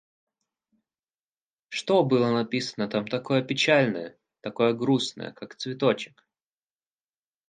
Что было написано там такое печальное, такое грустное, как цветочек?